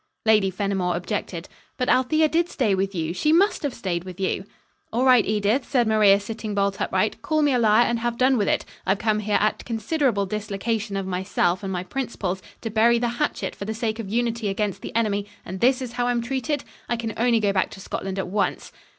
Lady Fenimore objected: "But Althea did stay with you. She must have stayed with you." "All right, Edith," said Maria, sitting bolt upright. "Call me a liar, and have done with it. I've come here at considerable dislocation of myself and my principles, to bury the hatchet for the sake of unity against the enemy, and this is how I'm treated. I can only go back to Scotland at once."